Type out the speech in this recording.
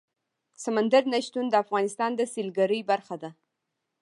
سمندر نه شتون د افغانستان د سیلګرۍ برخه ده.